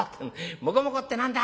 『もこもこって何だ？』